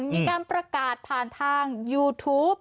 มีการประกาศผ่านทางยูทูป